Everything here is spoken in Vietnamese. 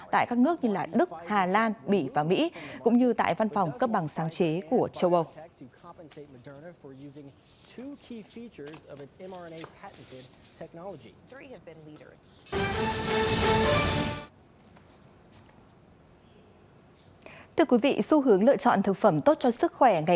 tại các nước như đức hà lan mỹ và mỹ cũng như tại văn phòng cấp bằng cấp bằng